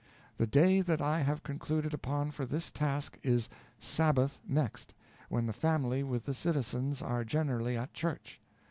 The day that I have concluded upon for this task is _sabbath _next, when the family with the citizens are generally at church.